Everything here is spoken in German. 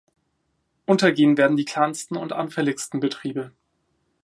Untergehen werden die kleinsten und anfälligsten Betriebe.